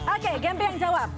oke gempy yang jawab